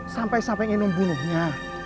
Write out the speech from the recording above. sampai sampai ingin membunuhnya